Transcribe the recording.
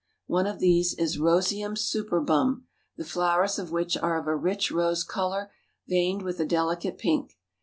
One of these is Roseum Superbum, the flowers of which are of a rich rose color, veined with a delicate pink.